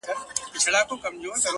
زيرى د ژوند؛